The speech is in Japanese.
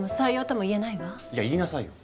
いや言いなさいよ。